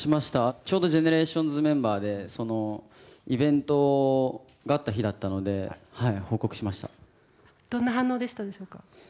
ちょうどＧＥＮＥＲＡＴＩＯＮＳでメンバーで、イベントがあったどんな反応でしたでしょうか？